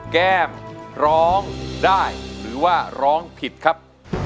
แก้มร้องได้หรือว่าร้องผิดครับ